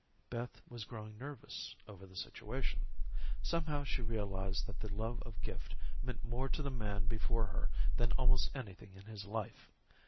Beth was growing nervous over the situation. Somehow, she realized that the love of Gift meant more to the man before her than almost anything in his life.